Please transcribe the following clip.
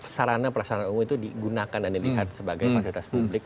sarana perasarana umum itu digunakan dan dilihat sebagai fasilitas publik